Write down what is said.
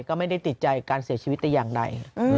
ก็ไม่ได้ติดใจการเสียชีวิตแต่อย่างใด